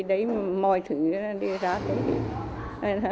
đấy mọi thứ ra đây hơn con cái thì ba người đem ra đây